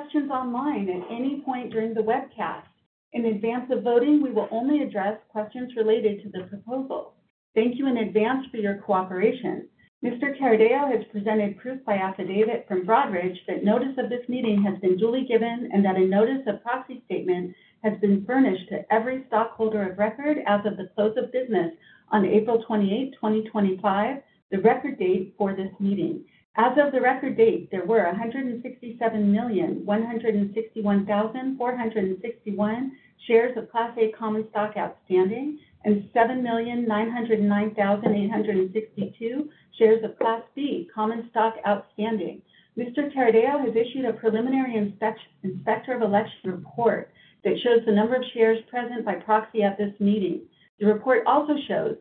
Our questions online at any point during the webcast. In advance of voting, we will only address questions related to the proposal. Thank you in advance for your cooperation. Mr. Cardeo has presented proof by affidavit from Broadridge that notice of this meeting has been duly given and that a notice of proxy statement has been furnished to every stockholder of record as of the close of business on April 28, 2025, the record date for this meeting. As of the record date, there were 167,161,461 shares of Class A common stock outstanding and 7,909,862 shares of Class B common stock outstanding. Mr. Cardeo has issued a preliminary inspector of election report that shows the number of shares present by proxy at this meeting. The report also shows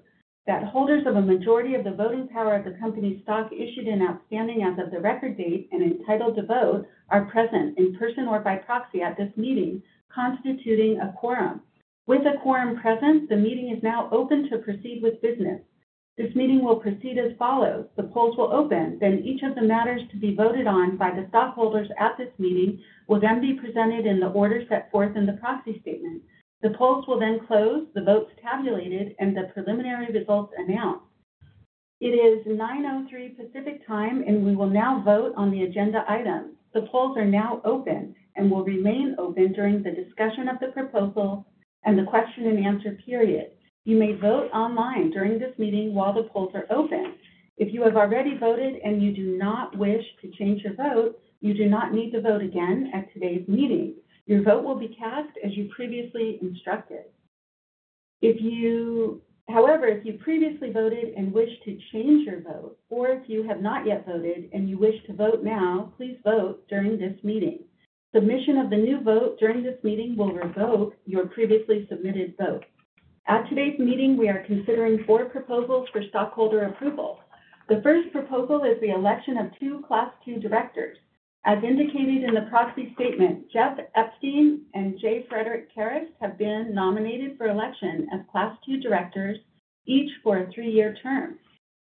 that holders of a majority of the voting power of the company's stock issued and outstanding as of the record date and entitled to vote are present in person or by proxy at this meeting, constituting a quorum. With a quorum present, the meeting is now open to proceed with business. This meeting will proceed as follows. The polls will open, then each of the matters to be voted on by the stockholders at this meeting will then be presented in the order set forth in the proxy statement. The polls will then close, the votes tabulated, and the preliminary results announced. It is 9:03 A.M. Pacific time, and we will now vote on the agenda items. The polls are now open and will remain open during the discussion of the proposal and the question and answer period. You may vote online during this meeting while the polls are open. If you have already voted and you do not wish to change your vote, you do not need to vote again at today's meeting. Your vote will be cast as you previously instructed. However, if you previously voted and wish to change your vote, or if you have not yet voted and you wish to vote now, please vote during this meeting. Submission of the new vote during this meeting will revoke your previously submitted vote. At today's meeting, we are considering four proposals for stockholder approval. The first proposal is the election of two Class 2 directors. As indicated in the proxy statement, Jeff Epstein and J. Frederic Kerrest have been nominated for election as Class 2 directors, each for a three-year term.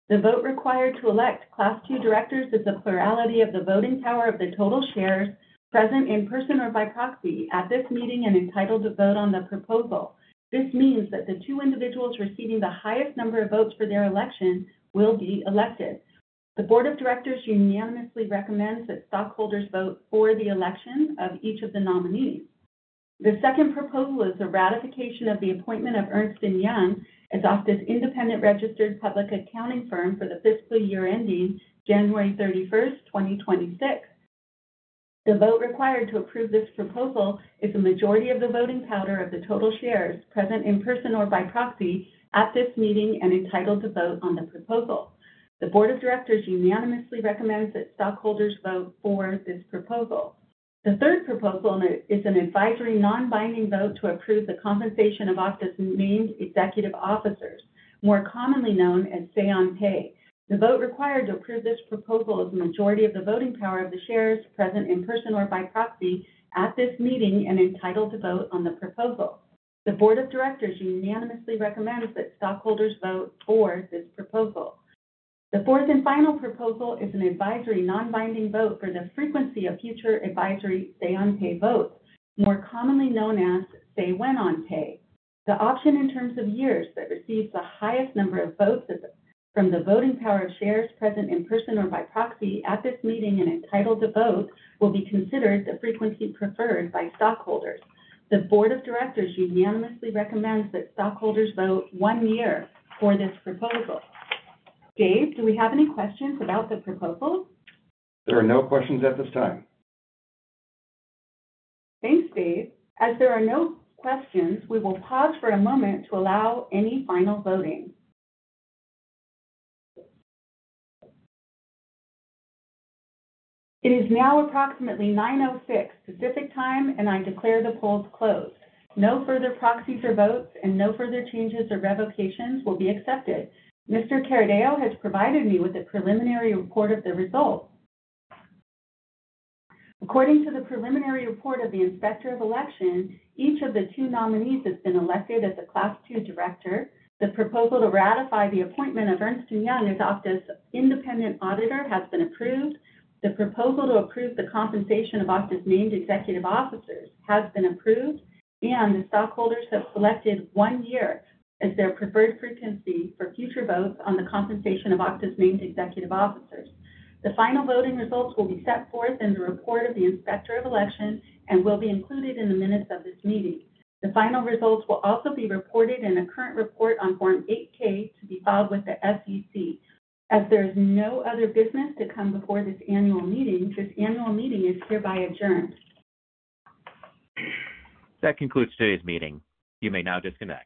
The vote required to elect Class 2 directors is the plurality of the voting power of the total shares present in person or by proxy at this meeting and entitled to vote on the proposal. This means that the two individuals receiving the highest number of votes for their election will be elected. The board of directors unanimously recommends that stockholders vote for the election of each of the nominees. The second proposal is the ratification of the appointment of Ernst & Young as Okta's independent registered public accounting firm for the fiscal year ending January 31st 2026. The vote required to approve this proposal is the majority of the voting power of the total shares present in person or by proxy at this meeting and entitled to vote on the proposal. The board of directors unanimously recommends that stockholders vote for this proposal. The third proposal is an advisory non-binding vote to approve the compensation of Okta's named executive officers, more commonly known as say-on-pay. The vote required to approve this proposal is the majority of the voting power of the shares present in person or by proxy at this meeting and entitled to vote on the proposal. The board of directors unanimously recommends that stockholders vote for this proposal. The fourth and final proposal is an advisory non-binding vote for the frequency of future advisory say-on-pay votes, more commonly known as say-when-on-pay. The option in terms of years that receives the highest number of votes from the voting power of shares present in person or by proxy at this meeting and entitled to vote will be considered the frequency preferred by stockholders. The board of directors unanimously recommends that stockholders vote one year for this proposal. Dave, do we have any questions about the proposal? There are no questions at this time. Thanks, Dave. As there are no questions, we will pause for a moment to allow any final voting. It is now approximately 9:06 A.M. Pacific time, and I declare the polls closed. No further proxies or votes and no further changes or revocations will be accepted. Mr. Cardeo has provided me with a preliminary report of the results. According to the preliminary report of the inspector of election, each of the two nominees has been elected as a Class 2 director. The proposal to ratify the appointment of Ernst & Young as Okta's independent auditor has been approved. The proposal to approve the compensation of Okta's named executive officers has been approved, and the stockholders have selected one year as their preferred frequency for future votes on the compensation of Okta's named executive officers. The final voting results will be set forth in the report of the inspector of election and will be included in the minutes of this meeting. The final results will also be reported in a current report on Form 8-K to be filed with the SEC. As there is no other business to come before this annual meeting, this annual meeting is hereby adjourned. That concludes today's meeting. You may now disconnect.